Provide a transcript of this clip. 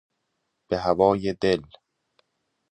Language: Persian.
به هوای دل